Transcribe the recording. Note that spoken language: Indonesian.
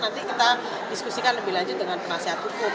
nanti kita diskusikan lebih lanjut dengan penasihat hukum